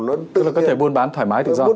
nó có thể buôn bán thoải mái tự do